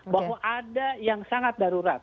bahwa ada yang sangat darurat